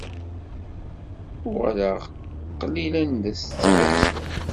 Uɣaleɣ qlil anda setteɣ aksum.